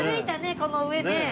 この上ね。